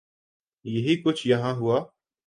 یہی کچھ یہاں ہوا۔